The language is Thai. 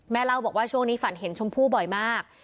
เล่าบอกว่าช่วงนี้ฝันเห็นชมพู่บ่อยมาก